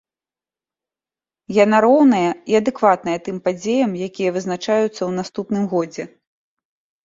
Яна роўная і адэкватная тым падзеям, якія вызначаюцца ў наступным годзе.